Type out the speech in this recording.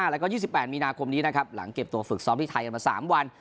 แล้วก็๒๘มีนาคมนี้นะครับหลังเก็บตัวฝึกซ้อมที่ไทยกันมา๓วัน